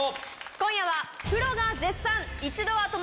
今夜は。